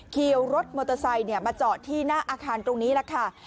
เคี่ยวรถมอเตอร์ไซด์เนี่ยมาเจาะที่หน้าอาคารตรงนี้นะคะ